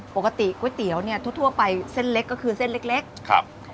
ปกติก๋วยเตี๋ยวเนี่ยทั่วทั่วไปเส้นเล็กก็คือเส้นเล็กเล็กครับ